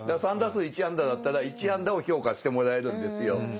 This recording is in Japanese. ３打数１安打だったら１安打を評価してもらえるんですよ。